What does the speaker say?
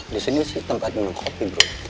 di sini sih tempat minum kopi bro